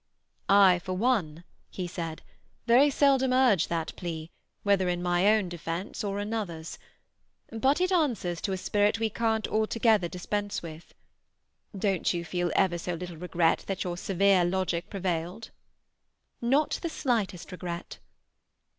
"I, for one," he said, "very seldom urge that plea, whether in my own defence or another's. But it answers to a spirit we can't altogether dispense with. Don't you feel ever so little regret that your severe logic prevailed?" "Not the slightest regret."